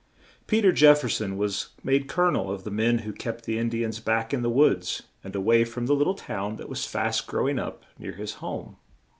Pe ter Jef fer son was made Col o nel of the men who kept the In di ans back in the woods, and a way from the lit tle town that was fast grow ing up near his home.